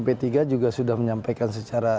p tiga juga sudah menyampaikan secara